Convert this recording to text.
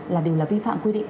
là điều là vi phạm quy định